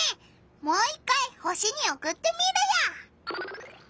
もう一回星におくってみるよ！